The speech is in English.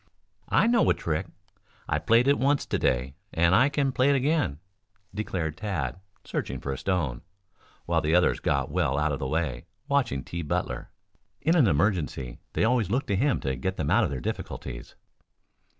"I know a trick. I've played it once to day and I can play it again," declared Tad, searching for a stone, while the others got well out of the way, watching T. Butler. In an emergency they always looked to him to get them out of their difficulties.